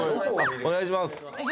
お願いします。